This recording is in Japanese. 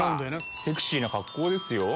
セクシーな格好ですよ。